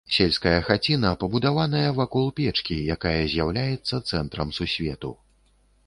Сельская хаціна пабудаваная вакол печкі, якая з'яўляецца цэнтрам сусвету.